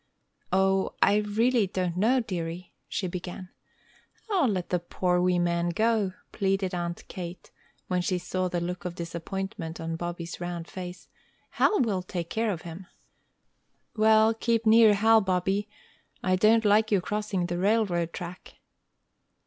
"O, I really don't know, dearie!" she began. "O, let the poor wee man go!" pleaded Aunt Kate, when she saw the look of disappointment on Bobby's round face. "Hal will take care of him." "Well, keep near Hal, Bobby. I don't like your crossing the railroad track."